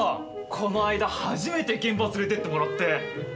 この間初めて現場連れてってもらって！